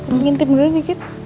mingitin dulu dikit